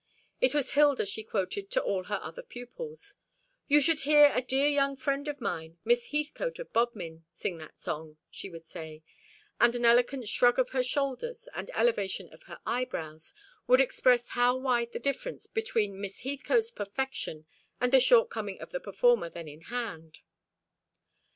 It was Hilda she quoted to all her other pupils. "You should hear a dear young friend of mine, Miss Heathcote of Bodmin, sing that song," she would say; and an eloquent shrug of her shoulders and elevation of her eyebrows would express how wide the difference between Miss Heathcote's perfection and the shortcoming of the performer then in hand.